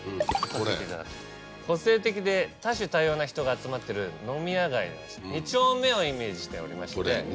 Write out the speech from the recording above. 個性的で多種多様な人が集まってる飲み屋街二丁目をイメージしておりまして。